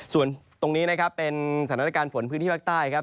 ส่วนตรงนี้นะครับเป็นสถานการณ์ฝนพื้นที่ภาคใต้ครับ